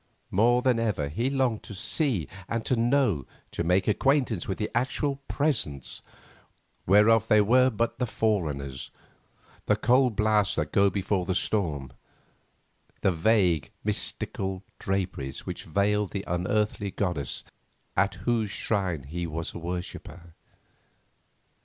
More than ever he longed to see and to know, to make acquaintance with the actual presence, whereof they were but the forerunners, the cold blasts that go before the storm, the vague, mystical draperies which veiled the unearthly goddess at whose shrine he was a worshipper.